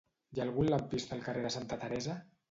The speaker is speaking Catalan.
Hi ha algun lampista al carrer de Santa Teresa?